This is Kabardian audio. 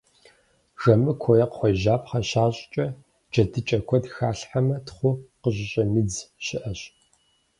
Жэмыкуэ е кхъуейжьапхъэ щащӏкӏэ джэдыкӏэ куэд халъхьэмэ, тхъу къыщыщӏимыдз щыӏэщ.